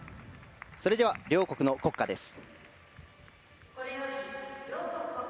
それでは両国の国歌です。